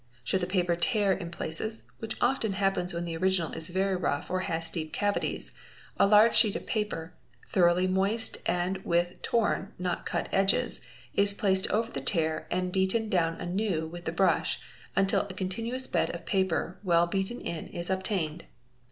Should the paper tear in places (which often happens when the original is very rough or has deep — cavities) a large sheet of paper, thoroughly moist and with torn (not cut) | edges, is placed over the tear and beaten down anew with the brush, — until a continuous bed of paper, well beaten in, is obtained.